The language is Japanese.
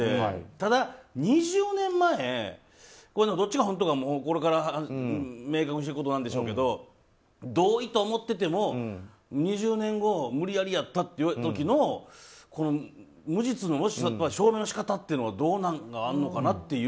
ただ、２０年前こういうのどっちが本当かもこれから明確にしてくんでしょうけど同意と思っていても２０年後無理やりやったって言われた時の無実の証明の仕方っていうのはどんなんがあるのかなっていう。